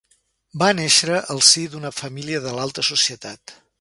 Va néixer al si d'una família de l'alta societat.